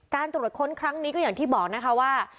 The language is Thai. ตรวจค้นครั้งนี้ก็อย่างที่บอกนะคะว่า